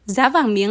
giá vàng miếng